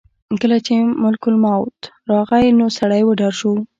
کله چې ملک الموت راغی نو سړی وډار شو.